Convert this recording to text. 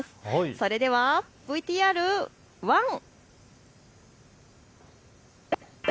それではＶＴＲワン。